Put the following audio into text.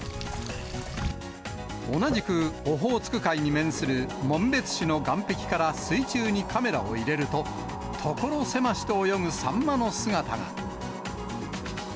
同じくオホーツク海に面する紋別市の岸壁から水中にカメラを入れると、所狭しと泳ぐサンマの姿が。